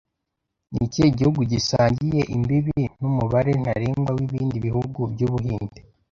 Ni ikihe gihugu gisangiye imbibi n'umubare ntarengwa w'ibindi bihugu by'Ubuhinde